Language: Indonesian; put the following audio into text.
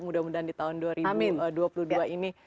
mudah mudahan di tahun dua ribu dua puluh dua ini